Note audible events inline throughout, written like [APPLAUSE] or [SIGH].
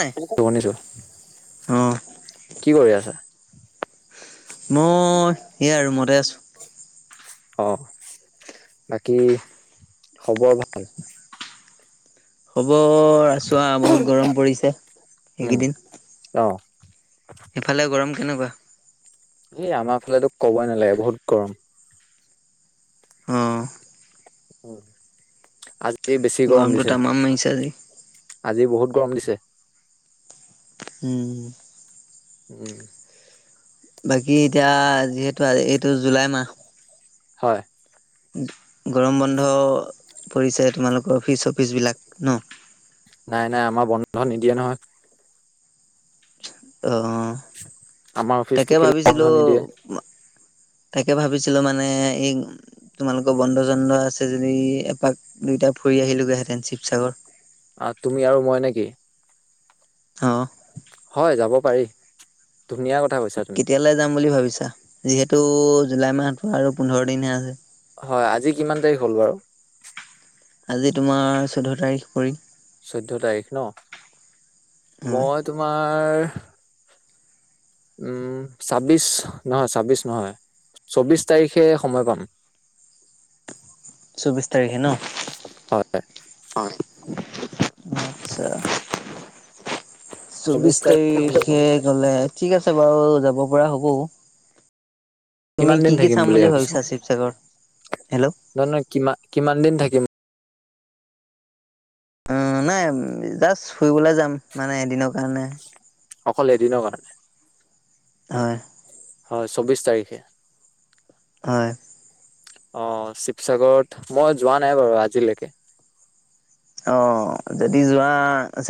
নাই শুনিছো, অ' কি কৰি আছা? মই এয়া আৰু ৰুমতে আছো। অ' বাকী, খবৰ ভাল? খবৰ আছো আও বহুত গৰম পৰিছে উম এইকেইদিন। অ সেফালে গৰম কেনেকোৱা? এই আমাৰ ফালেতো ক'বই নালাগে বহুত গৰম। অ' আজি বেছি গৰম গৰমটো দিছে। তামাম মাৰিছে আজি আজি বহুত গৰম দিছে। উম। উম। বাকী এতিয়া যিহেতু এইটো জুলাই মাহ। হয়। গৰম বন্ধ পৰিছে তোমালোকৰ অফিচ চফিচবিলাক ন? নাই নাই আমাৰ বন্ধ নিদিয়ে নহয়। অ' আমাৰ অফিচটো তাকে কেলে বন্ধ ভাবিছিলো নিদিয়ে তাকে ভাবিছিলোঁ মানে এই তোমালোকৰ বন্ধ চন্দ আছে যদি এপাক দুইটা ফুৰি আহিলোগৈহেতেন শিৱসাগৰ। অ' তুমি আৰু মই নেকি? অ'। হয় যাব পাৰি, ধুনীয়া কথা কৈছাতু। কেলে যাম বুলি ভাবিছা যিহেতু জুলাই মাহতো আৰু পোন্ধৰ দিনহে আছে। হয় আজি কিমান তাৰিখ হ'ল বাৰু? আজি তোমাৰ চৈধ্য তাৰিখ পৰিল। চৈধ্যয় তাৰিখ ন, হয় মই তোমাৰ উম, ছাব্বিশ, নহয় ছাব্বিশ নহয়, চৌবিশ তাৰিখে সময় পাম। [UNINTELLIGIBLE] চৌবিশ তাৰিখে ন, হয় অ'। আচ্ছা, চৌবিশ তাৰিখে গলে, ঠিক আছে বাৰু যাব পৰা হ'ব। তুমি কিমান কি দিন কি থাকিম চাম বুলি ভাবিছে? ভাবিছা শিৱসাগৰ, হেল্ল'। নহয় নহয় কিমান, কিমান দিন থাকিম? উম, নাই জাষ্ট ফুৰিবলৈ যাম মানে এদিনৰ কাৰণে। অকল এদিনৰ কাৰণে? হয়। হয় চৌব্বিছ তাৰিখে। হয়। অ', শিৱসাগৰত মই যোৱা নাই বাৰু আজিলৈকে। অ', যদি যোৱা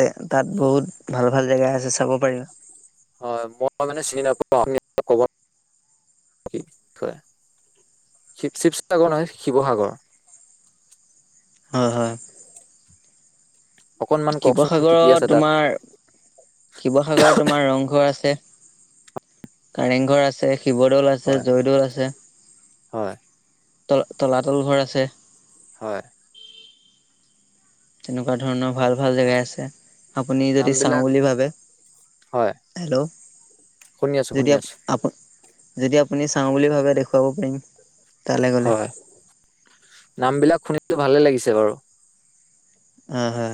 যে তাত বহুত ভাল ভাল জেগা আছে চাব পাৰিবা। হয় মই মানে চিনি নাপাওঁ ক'ব, বিষয় শিৱ শিৱসাগৰ নহয় শিৱসাগৰ। হয় হয়। অকনমান কওকচোন কি কি শিৱসাগৰত আছে তাত? তোমাৰ শিৱসাগৰত তোমাৰ ৰংঘৰ আছে। কাৰেংঘৰ আছে, শিৱদৌল আছে। আছে হয় জয়দৌল আছে, হয় তল তলাতল ঘৰ আছে। হয়। তেনেকুৱা ধৰণৰ ভাল ভাল জেগাই আছে। আপুনি যদি চাওঁ নামবিলাক বুলি ভাবে, হয় হেল্ল', শুনি আছো যদি শুনি আপ আছো আপুনি, যদি আপুনি চাওঁ বুলি ভাবে দেখুৱাব পাৰিম। তালৈ গ'লে হয়, নাম বিলাক শুনিলো ভালে লাগিছে বাৰু। হা হা।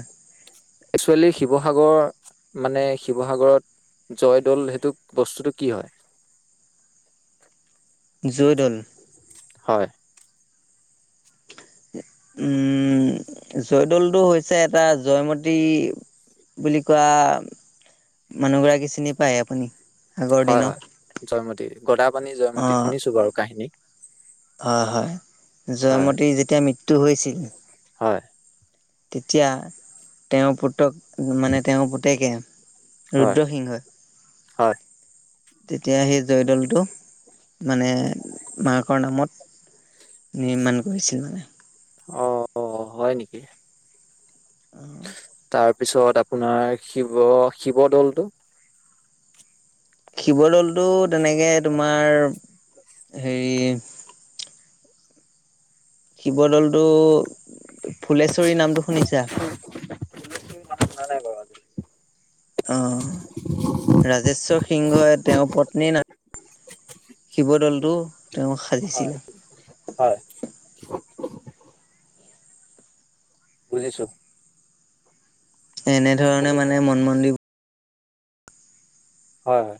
একচুৱেলি শিৱসাগৰ মানে শিৱসাগৰত জয়দল সেইটো বস্তুটো কি হয়? জয়দ'ল হয়। উম জয়দৌলটো হৈছে এটা জয়মতী বুলি কোৱা মানুহগৰাকী চিনি পায় আপুনি? আগৰ হয় দিনৰ হয় জয়মতী গদাপানী অ জয়মতী শুনিছো বাৰু কাহিনী। হয় হয় হয় জয়মতীৰ যেতিয়া মৃত্যু হৈছিল। হয়। তেতিয়া তেওঁৰ পুতক মানে তেওঁৰ পুতেকে হয় ৰুদ্ৰসিংহই হয়। তেতিয়া সেই জয়দলটো মানে মাকৰ নামত নিৰ্মাণ কৰিছিল মানে। অ হয় নেকি? অ। তাৰপিছত আপোনাৰ শিৱ শিৱদৌলটো? শিৱদলটো তেনেকে তোমাৰ হেৰি শিৱদৌলটো ফুলেশ্বৰী নামটো শুনিছা? [UNINTELLIGIBLE] অ ৰাজেশ্বৰ সিংহই তেওঁৰ পত্নীৰ না- শিৱদলটো তেওঁ হয় সাজিছিলে। হয়। বুজিছোঁ। এনেধৰণে শুনি মানে মন মন্দিৰবো- হয় হয়।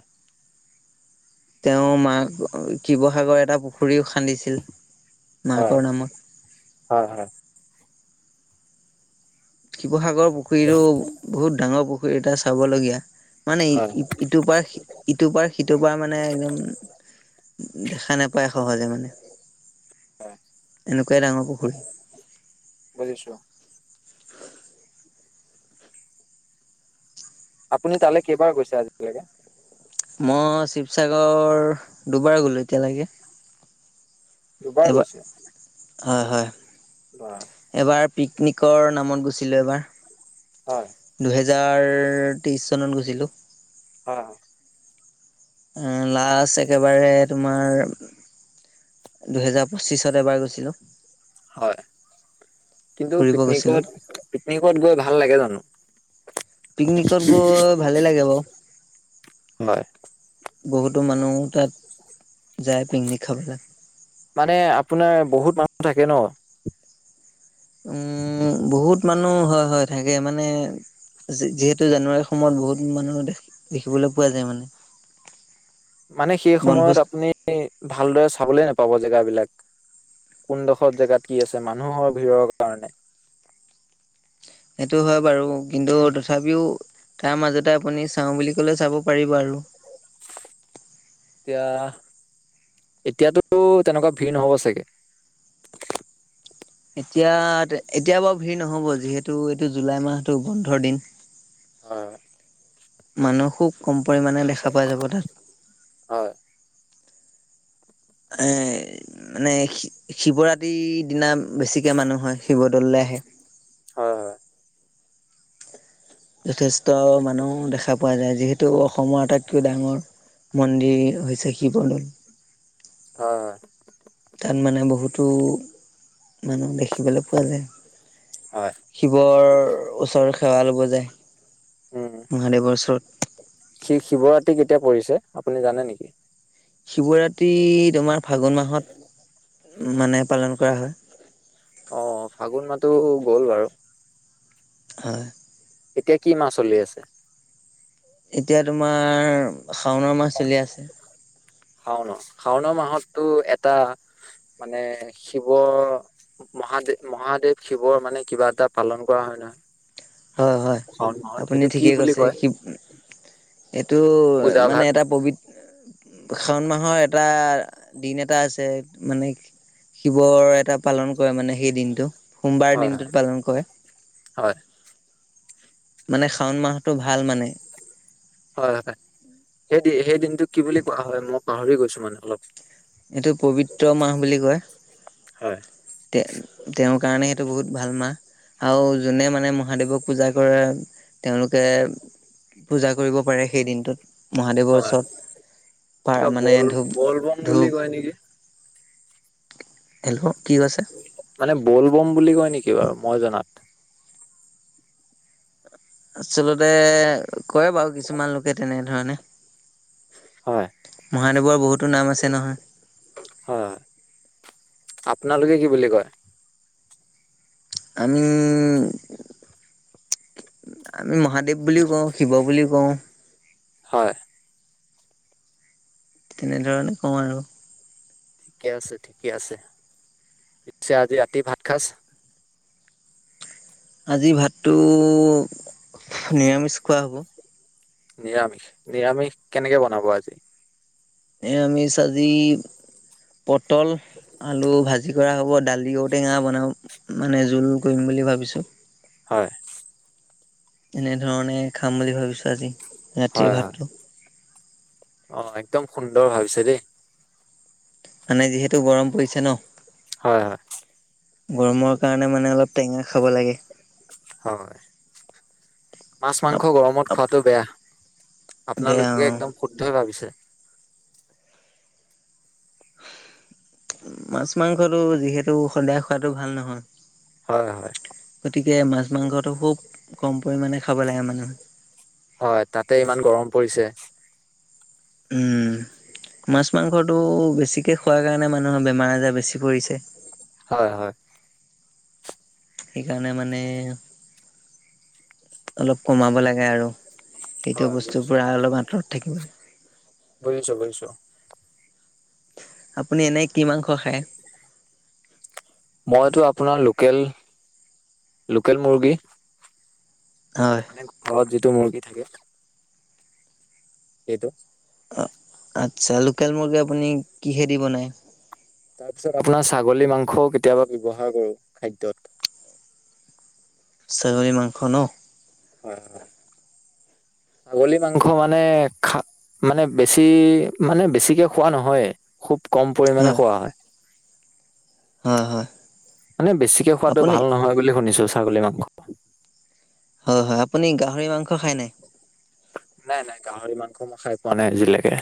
তেওঁ মাক শিৱসাগৰ এটা পুখুৰীও খান্দিছিল, হয় মাকৰ নামত। হয় হয়। শিৱসাগৰৰ পুখুৰীতটো বহুত ডাঙৰ পুখুৰী এটা চাবলগীয়া। মানে হয় ইটোৰ পাৰ ইটোৰ পাৰ সিটোৰ পাৰ মানে একদম দেখা নেপায় সহজে মানে হয় এনেকুৱাই ডাঙৰ পুখুৰী। বুজিছো। [INAUDIBLE] আপুনি তালৈ কেইবাৰ কৈছে আজিলৈকে? মই শিৱসাগৰ দুবাৰ গ'লো এতিয়ালেকে। দুুবাৰ গৈছে? হয় হয়। বা এবাৰ পিকনিকৰ নামত গৈছিলো এবাৰ। হয় দুহেজাৰ তেইছ চনত গৈছিলোঁ। হয় অ। অ লাষ্ট একেবাৰে তোমাৰ দুহেজাৰ পঁচিছত এবাৰ গৈছিলো, হয় কিন্তু ফুৰিব গৈছিলো। পিকনিকত পিকনিকত গৈ ভাল লাগে জানো? পিকনিকত গৈ ভালে লাগে বাও। হয় বহুতো মানুহ তাত যায় পিকনিক খাবলে। মানে আপোনাৰ বহুত মানুহ থাকে ন উম বহুত মানুহ হয় হয় থাকে মানে যি যিহেতু জানুৱাৰীৰ সময়ত বহুত মানুহ দেখিবলৈ পোৱা যায় মানে। মানে সেই সময়ত বনভোজ আপুনি ভালদৰে চাবলে নেপাব জেগা বিলাক। কোনডোখৰ জেগাত কি আছে মানুহৰ ভিৰৰ কাৰণে। সেইটো হয় বাৰু কিন্তু তথাপিও তাৰ মাজতে আপুনি চাওঁ বুলি কলে চাব পাৰিব আৰু। এতিয়া এতিয়াতো তেনেকুৱা ভিৰ নহ'ব চাগে। এতিয়া এতিয়া বাৰু ভিৰ নহ'ব যিহেতু এইটো জুলাই মাহটো বন্ধৰ দিন। হয় মানুহ খুব কম পৰিমানে দেখা পোৱা যাব তাত। হয় এ মানে শি শিৱৰাত্ৰিৰ দিনা বেছিকে মানুহ হয়। শিৱদৌললে আহে হয় হয় যথেষ্ট মানুহ দেখা পোৱা যায় যিহেতু অসমৰ আটাইতকৈ ডাঙৰ মন্দিৰ হৈছে শিৱদৌল। হয় হয় তাত মানে বহুতো মানুহ দেখিবলে পোৱা যায়। হয় শিৱৰ ওচৰৰ সেৱা লব যায় উম মহাদেৱৰ ওচৰত। শি শিৱৰাত্ৰি কেতিয়া পৰিছে আপুনি জানে নেকি? শিৱৰাত্ৰি তোমাৰ ফাগুণ মাহত মানে পালন কৰা হয়। অ ফাগুন মাহটো গ'ল বাৰু। হয় এতিয়া কি মাহ চলি আছে? এতিয়া তোমাৰ শাওণ মাহ চলি আছে। শাওন শাওন মাহতটো এটা মানে শিৱৰ মহাদেৱ মহাদেৱ শিৱৰ মানে কিবা এটা পালন কৰা হয় ন হয় হয় আপুনি কি ঠিকেই বুলি কৈছে কয় শি- এইটো পূজা মানে ভাগ এটা পবি- শাওণ মাহৰ এটা দিন এটা আছে মানে কি শিৱৰ এটা পালন কৰে মানে সেই দিনটো সোমবাৰ হয় হয় দিনটোত পালন কৰে। হয় মানে শাওন মাহটো ভাল মানে। হয় হয় সেইদি সেই দিনটো কি বুলি কোৱা হয় মই পাহৰি গৈছো মানে অলপ। এইটো পবিত্ৰ মাহ বুলি কয়। হয় তে তেওঁৰ কাৰণে সেইটো বহুত ভাল মাহ। আৰু যোনে মানে মহাদেৱক পূজা কৰে তেওঁলোকে পূজা কৰিব পাৰে সেই দিনটোত মহাদেৱৰ হয় ওচৰত কিবা পাৰ মানে বল ধূপ- [UNINTELLIGIBLE] বুলি ধূপ কয় নেকি [UNINTELLIGIBLE] কি কৈছে মানে বল বম বুলি কয় নেকি বাৰু মই জনাত আচলতে কয় বাৰু কিছুমান লোকে তেনেধৰণে। হয় মহাদেৱৰ বহুতো নাম আছে নহয় হয় হয় আপোনালোকে কি বুলি কয়? আমি আমি মহাদেৱ বুলিও কওঁ, শিৱ বুলিও কওঁ হয়। তেনেধৰণে কওঁ আৰু ঠিকে আছে ঠিকে আছে, পিছে আজি ৰাতি ভাত সাজ আজি ভাতটো নিৰামিষ খোৱা হ'ব। নিৰামিষ নিৰামিষ কেনেকে বনাব আজি? নিয়ামিষ আজি পটল আলু ভাজি। যি কৰা হ'ব দালি ঔটেঙা বনাম মানে জোল কৰিম বুলি ভাবিছো। হয়। এনেধৰণে খাম বুলি ভাবিছো আজি। ৰাতিৰ হয় হয়, ভাতটো অ একদম সুন্দৰ ভাবিছে দেই। মানে যিহেতু গৰম পৰিছে ন। হয় হয়। গৰমৰ কাৰণে মানে অলপ টেঙা খাব লাগে। হয়। মাছ মাংস গৰমত খোৱাতটো বেয়া বেয়া আপোনালোকে অঁ একদম শুদ্ধই ভাবিছে। মাছ মাংসটো যিহেতু সদায় খোৱাতটো ভাল নহয়। হয় হয় গতিকে মাছ মাংসটো খুব কম পৰিমানে খাব লাগে মানুহে। হয়, তাতে ইমান গৰম পৰিছে। উম, মাছ মাংসটো বেছিকে খোৱা কাৰণে মানুহৰ বেমাৰ আজাৰ বেছি পৰিছে। হয় হয়। সেইকাৰণে মানে, অলপ কমাব লাগে আৰু। সেইটো হয় বস্তুৰ বুজিছো পৰা অলপ আঁতৰত থাকিব। বুজিছো বুজিছো। আপুনি এনেই কি মাংস খায়? মইতো আপোনাৰ লোকেল লোকেল মুৰ্গী। হয়। মানে ঘৰত যিটো মুৰ্গী থাকে। সেইটো। অ আচ্ছা লোকেল মুৰ্গী আপুনি কিহেদি বনায়। তাৰ পিছত আপোনাৰ ছাগলী মাংসও কেতিয়াবা ব্যৱহাৰ কৰো খাদ্যত। ছাগলৰি মাংস ন। হয় হয়, ছাগলী মাংস মানে খা মানে বেছি মানে বেছিকে খোৱা নহয় খুব কম পৰিমানে খোৱা হয়। উম, উম। মানে বেছিকে খোৱাতটো ভাল নহয় বুলি শুনিছো ছাগলী মাংস। হয় হয় আপুনি গাহৰি মাংস খাই নাই? নাই নাই গাহৰি মাংস মই খাই পোৱা নাই আজিলৈকে,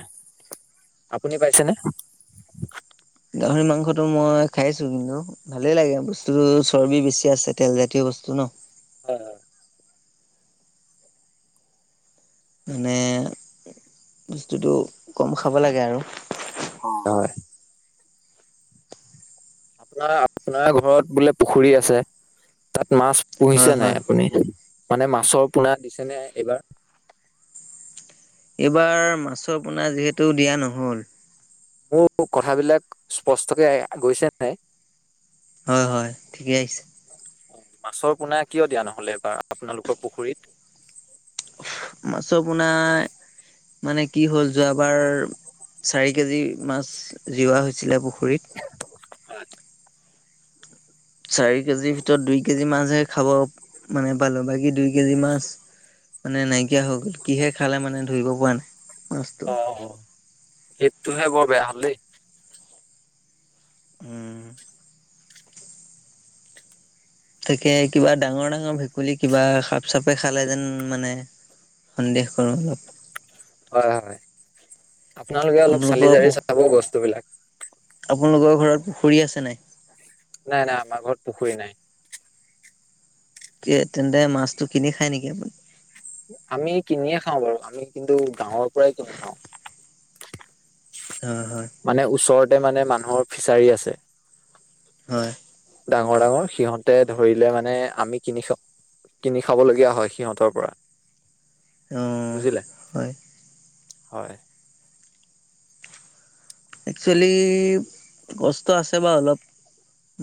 আপুনি পাইছেনে? গাহৰি মাংসটো মই খাইছো কিন্তু ভালে লাগে বস্তুটো চৰ্বি বেছি আছে তেলজাতীয় বস্তু ন। হয় হয়। মানে বস্তুটো কম খাব লাগে আৰু হয়। আপোনাৰ আপোনাৰ ঘৰত বোলে পুখুৰী আছে তাত মাছ হয় পুহিছে হয় নাই আপুনি মানে মাছৰ পোনা দিছে নে এইবাৰ? এইবাৰ মাছৰ পোনা যিহেতু দিয়া নহ'ল। মোৰ কথাবিলাক স্পষ্টকে গৈছে নাই? হয় হয়, ঠিকে আহিছে। মাছৰ পোনা কিয় দিয়া নহ'ল এইবাৰ আপোনালোকৰ পুখুৰীত? মাছৰ পোনা মানে কি হ'ল যোৱাবাৰ চাৰি কেজি মাছ জিওৱা হৈছিলে পুখুৰীত হয়। চাৰি কেজিৰ ভিতৰত দুই কেজি মাছহে খাব মানে পালো, বাকী দুই কেজি মাছ মানে নাইকিয়া হৈ গ'ল কিহে খালে মানে ধৰিব পৰা নাই মাছটো। অ' সেইটোহে বৰ বেয়া হল দেই। উম। থাকে কিবা ডাঙৰ ডাঙৰ ভেকুলী কিবা সাপ চাপে খালে যেন মানে, সন্দেহ কৰোঁ অলপ। হয় হয়, আপোনালোকে অলপ চালি জাৰি আপোনালোকৰ চাব বস্তু বিলাক। আপোনালোকৰ ঘৰত পুখুৰী আছে নাই? নাই নাই, আমাৰ ঘৰত পুখুৰী নাই। কি তেন্তে মাছটো কিনি খাই নেকি আপুনি? আমি কিনিয়ে খাওঁ বাৰু আমি কিন্তু গাঁৱৰ পৰাই কিনি খাওঁ। হয় হয়। মানে ওচৰতে মানে মানুহৰ ফিচাৰী আছে। হয়। ডাঙৰ ডাঙৰ সিহঁতে ধৰিলে মানে আমি কিনি খাওঁ। কিনি খাব লগগীয়া হয় সিহঁতৰ পৰা অ বুজিলে? হয় হয়। একচুৱেলি কষ্ট আছে বাৰু অলপ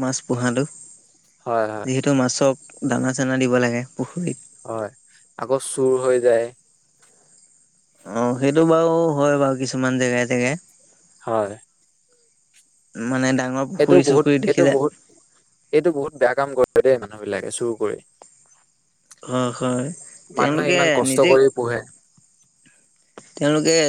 মাছ পোহাটো। হয় হয়। যিহেতু মাছক দানা চানা দিব লাগে পুখুৰীত। হয়, আকৌ চুৰ হৈ যায়। অঁ সেইটো বাৰু হয় বাৰু কিছুমান জেগাই জেগাই। হয়। মানে ডাঙৰ এইটো পুখুৰী বহুত চুখুৰী এইটো দেখিলে বহুত এইটো বহুত বেয়া কাম কৰে দেই, মানুহ বিলাকে চুৰ কৰি। হয় হয়, মানুহে তেওঁলোকে ইমান কষ্ট নিজে কৰি পোহে তেওঁলোকে